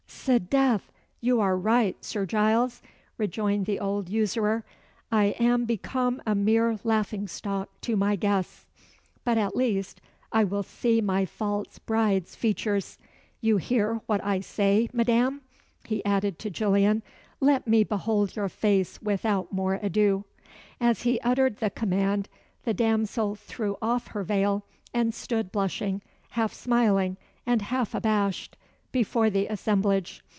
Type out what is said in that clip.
"S'death! you are right, Sir Giles," rejoined the old usurer. "I am become a mere laughing stock to my guests. But at least I will see my false bride's features. You hear what I say, Madam," he added to Gillian "let me behold your face without more ado." As he uttered the command, the damsel threw off her veil, and stood blushing, half smiling and half abashed, before the assemblage.